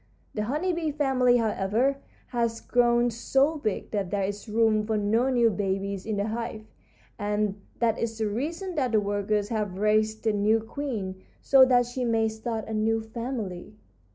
The honey bee family, however, has grown so big that there is room for no new babies in the hive, and that is the reason that the workers have raised a new queen, so that she may start a new family.